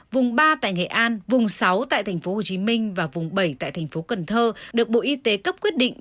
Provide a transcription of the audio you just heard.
vùng ba tại nghệ an vùng sáu tại tp hcm và vùng bảy tại tp cnh được bộ y tế cấp quyết định